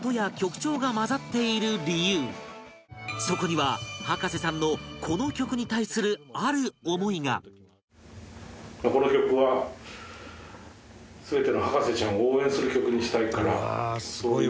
そこには葉加瀬さんのこの曲に対するある思いがをとりたくて。